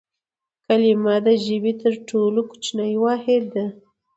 کلیمه د ژبي تر ټولو کوچنی واحد دئ.